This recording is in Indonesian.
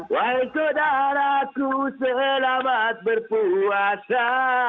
wahai saudaraku selamat berpuasa